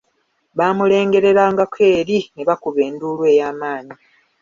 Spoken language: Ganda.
Baamulengererangako eri ne bakuba endulu ey'amanyi.